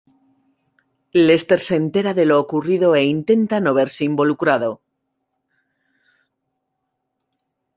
Lester se entera de lo ocurrido e intenta no verse involucrado.